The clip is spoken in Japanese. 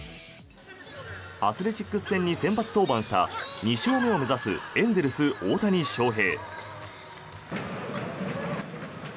アスレチックス戦に先発登板した２勝目を目指すエンゼルス、大谷翔平。